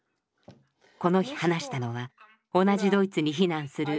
この日話したのは同じドイツに避難するビクトリアさん。